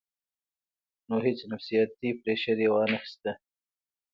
نو هېڅ نفسياتي پرېشر ئې وانۀ خستۀ -